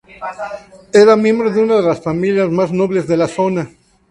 Era miembro de una de las familias más nobles de la zona.